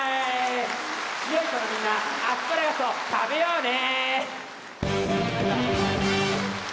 よい子のみんなアスパラガスを食べようね！